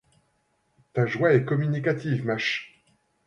Ta joie est communicative ma ch